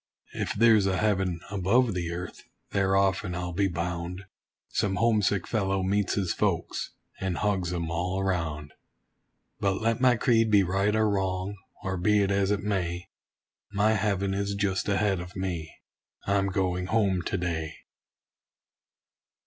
If there's a heaven above the earth, there often, I'll be bound, Some homesick fellow meets his folks, and hugs 'em all around. But let my creed be right or wrong, or be it as it may, My heaven is just ahead of me I'm going home to day.